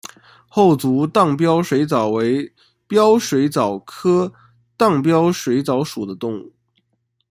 厚足荡镖水蚤为镖水蚤科荡镖水蚤属的动物。